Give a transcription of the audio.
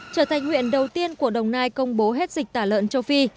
trở thành huyện đầu tiên của đồng nai công bố hết dịch tả lợn châu phi